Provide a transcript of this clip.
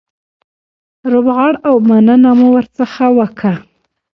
روغبړ او مننه مو ورڅخه وکړه.